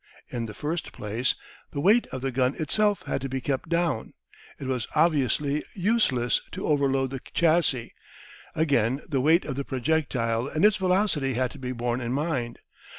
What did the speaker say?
In the first place, the weight of the gun itself had to be kept down. It was obviously useless to overload the chassis. Again, the weight of the projectile and its velocity had to be borne in mind.